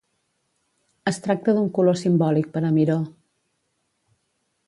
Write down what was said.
Es tracta d'un color simbòlic per a Miró.